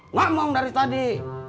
ngomong dari tadi